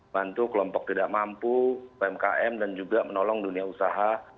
bantu kelompok tidak mampu umkm dan juga menolong dunia usaha